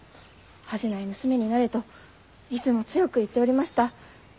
恥じない娘になれ」といつも強く言っておりました。